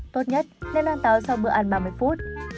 tốt nhất nên ăn táo sau bữa ăn ba mươi phút